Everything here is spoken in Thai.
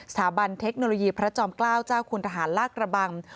สาบันเทคโนโลยีพระจอมเกล้าเจ้าคุณทหารลากระบัง